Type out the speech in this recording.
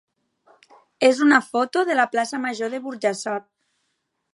és una foto de la plaça major de Burjassot.